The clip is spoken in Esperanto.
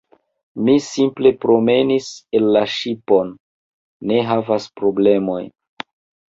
Mi simple promenis el la ŝipon. Ne havas problemojn